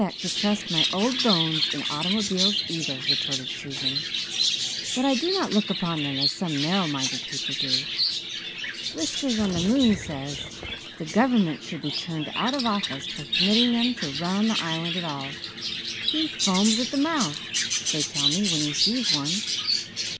"I do not expect to trust my old bones in automobiles, either," retorted Susan. "But I do not look upon them as some narrow minded people do. Whiskers on the moon says the Government should be turned out of office for permitting them to run on the Island at all. He foams at the mouth, they tell me, when he sees one.